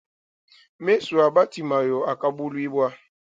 Mesu a batimayo akabuluibua.